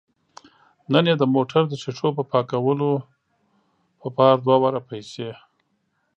نن یې د موټر د ښیښو د پاکولو په پار دوه واره پیسې